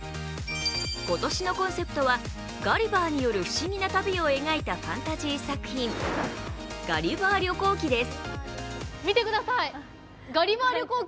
今年のコンセプトはガリヴァーによる不思議な旅を描いたファンタジー作品ガリヴァー旅光記です。